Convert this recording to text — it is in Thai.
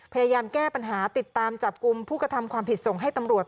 พยายามแก้ปัญหาติดตามจับกลุ่มผู้กระทำความผิดส่งให้ตำรวจ